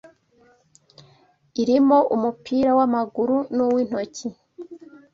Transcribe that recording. irimo umupira w’amaguru n’uw’intoki